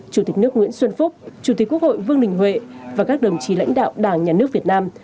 chủ tịch nước nguyễn xuân phúc chủ tịch quốc hội vương đình huệ và các đồng chí lãnh đạo đảng nhà nước việt nam